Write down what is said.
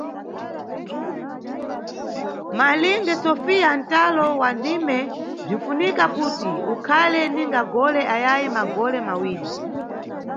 Malinge Sofia, ntalo wa ndime bzwinfunika kuti ukhale ninga gole ayayi magole mawiri.